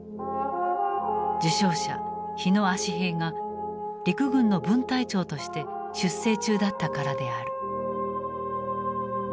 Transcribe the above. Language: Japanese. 受賞者火野葦平が陸軍の分隊長として出征中だったからである。